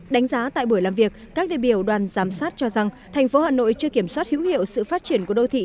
đánh giá tại buổi làm việc các đề biểu đoàn giám sát cho rằng thành phố hà nội chưa kiểm soát hữu hiệu sự phát triển của đô thị